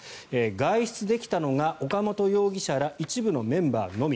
外出できたのが岡本容疑者ら一部のメンバーのみ。